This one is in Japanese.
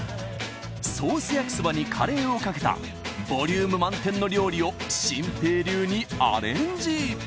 ソース焼きそばにカレーをかけたボリューム満点の料理を心平流にアレンジ。